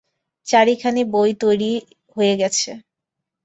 চারিখানি বই তৈরী হয়ে গেছে।